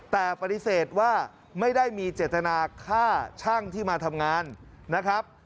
แต่ปฏิเสธว่าไม่ได้มีเจตนาฆ่าช่างที่มาทำงานนะครับ